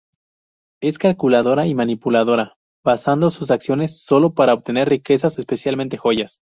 Es calculadora y manipuladora basando sus acciones sólo para obtener riquezas, especialmente joyas.